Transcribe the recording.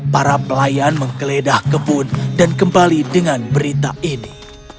para pelayan menggeledah kebun dan kembali dengan berita ini